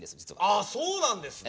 あそうなんですね。